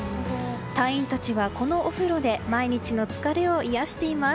隊員たちは、このお風呂で毎日の疲れを癒やしています。